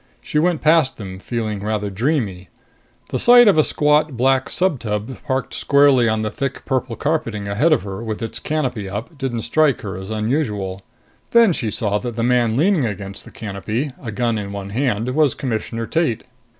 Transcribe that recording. She went past them, feeling rather dreamy. The sight of a squat, black subtub parked squarely on the thick purple carpeting ahead of her, with its canopy up, didn't strike her as unusual. Then she saw that the man leaning against the canopy, a gun in one hand, was Commissioner Tate.